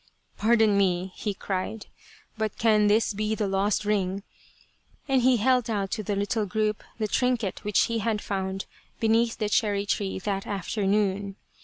" Pardon me," he cried, " but can this be the lost ring ?" and he held out to the little group the trinket which he had found beneath the cherry tree that afternoon.